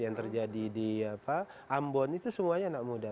yang terjadi di ambon itu semuanya anak muda